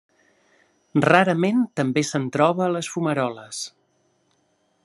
Rarament també se'n troba a les fumaroles.